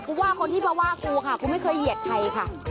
ว่าคนที่มาว่ากูค่ะกูไม่เคยเหยียดใครค่ะ